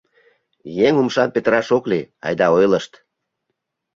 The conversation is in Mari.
Еҥ умшам петыраш ок лий, айда ойлышт.